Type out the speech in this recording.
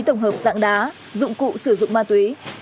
tổng hợp dạng đá dụng cụ sử dụng ma túy